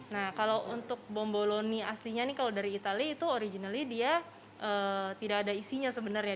nah kalau untuk bomboloni aslinya ini kalau dari itali itu originally dia tidak ada isinya sebenarnya